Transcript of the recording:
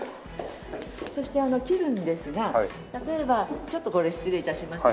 そして切るんですが例えばちょっとこれ失礼致します。